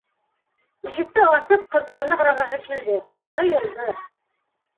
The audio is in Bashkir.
Ишекте асып, ҡыҙҙарына ҡарағыһы килде - тыйылды.